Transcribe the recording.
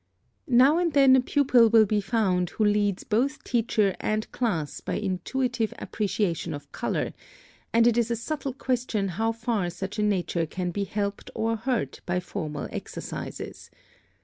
Now and then a pupil will be found who leads both teacher and class by intuitive appreciation of color, and it is a subtle question how far such a nature can be helped or hurt by formal exercises.